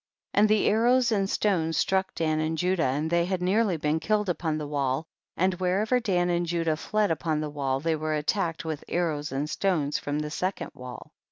43. And the arrows and stones struck Dan and Judah, and they had nearly been killed upon the wall, and wherever Dan and Judah fled upon the wall, they were attacked with arrows and stones from the second wall.